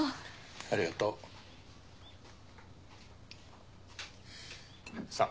ありがとう。さあ。